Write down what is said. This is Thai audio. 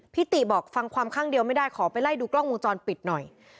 ติบอกฟังความข้างเดียวไม่ได้ขอไปไล่ดูกล้องวงจรปิดหน่อย